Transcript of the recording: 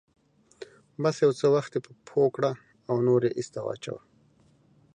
بس يو څه وخت يې په پښو کړه او نور يې ايسته واچوه.